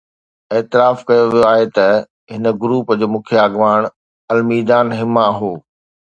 اعتراف ڪيو ويو آهي ته هن گروپ جو مکيه اڳواڻ الميدان حما هو